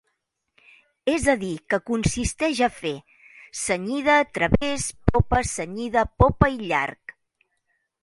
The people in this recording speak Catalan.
És a dir que consisteix a fer: cenyida, través, popa, cenyida, popa i llarg.